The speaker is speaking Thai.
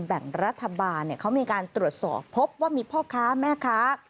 แบ่งรัฐบาลเขามีการตรวจสอบพบว่ามีพ่อค้าแม่ค้า